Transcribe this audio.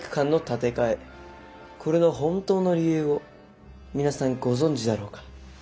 これの本当の理由を皆さんご存じだろうか。